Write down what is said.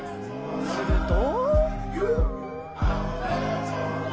すると。